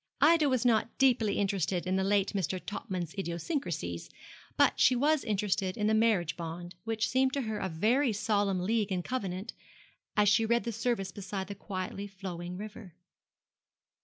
Ida was not deeply interested in the late Mr. Topman's idiosyncrasies, but she was interested in the marriage bond, which seemed to her a very solemn league and covenant, as she read the service beside the quietly flowing river.